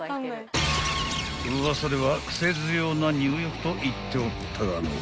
［ウワサではクセ強な入浴と言っておったがのぅ